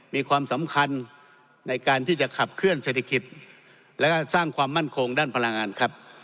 มีความสำคัญในการที่จะขับเคลื่อเศรษฐกิจและสร้างความมั่นคงด้านพลังงานครับ